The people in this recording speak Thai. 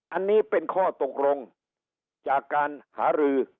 อันนี้เป็นข้อตกลงจากการหารือ